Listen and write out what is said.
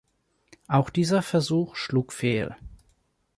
Auch dieser Versuch schlug fehl.